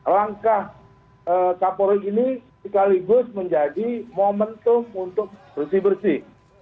langkah kapolri ini sekaligus menjadi momentum untuk bersih bersih